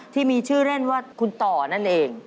ที่มีชื่อเล่นว่าคุณต่อนั่นเอง